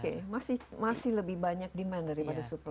oke masih lebih banyak demand daripada supply